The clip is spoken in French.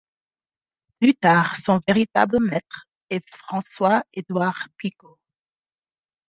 Plus tard son véritable maître est François-Edouard Picot.